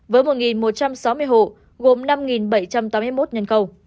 với một một trăm sáu mươi hộ gồm năm bảy trăm tám mươi một nhân khẩu